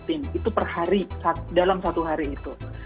tim itu per hari dalam satu hari itu